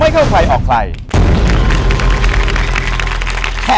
ขวา